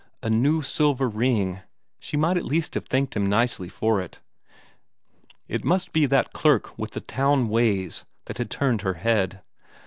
A new silver ring she might at least have thanked him nicely for it. It must be that clerk with the town ways that had turned her head.